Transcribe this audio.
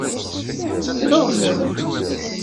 Tedreɣlem?